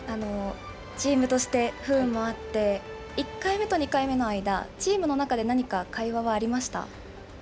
チームとして不運もあって、１回目と２回目の間、チームの中で何か会話はありました？